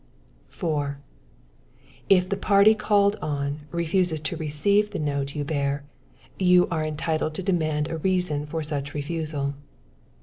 4. If the party called on, refuses to receive the note you bear, you are entitled to demand a reason for such refusal.